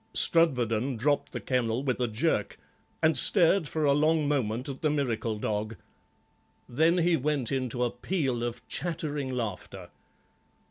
Strudwarden dropped the kennel with a jerk, and stared for a long moment at the miracle dog; then he went into a peal of chattering laughter.